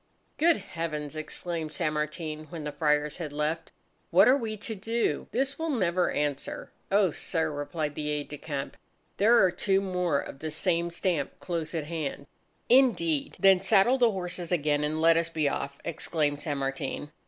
"Good heavens!" exclaimed San Martin, when the Friars had left. "What are we to do? This will never answer!" "O sir," replied the aide de camp, "there are two more of the same stamp close at hand." "Indeed! Then saddle the horses again, and let us be off!" exclaimed San Martin.